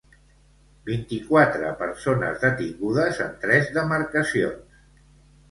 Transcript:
Vint-i-quatre persones detingudes en tres demarcacions.